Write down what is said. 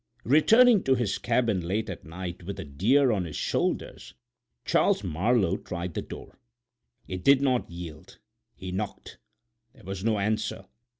Returning to his cabin late at night with a deer on his shoulders Charles Marlowe tried the door. It did not yield. He knocked; there was no answer.